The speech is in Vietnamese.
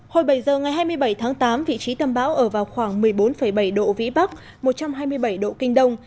hồi bảy giờ ngày hai mươi bảy tháng tám vị trí tâm bão ở vào khoảng một mươi bốn bảy độ vĩ bắc một trăm hai mươi bảy độ kinh đông